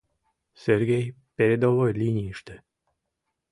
Сергей передовой линийыште.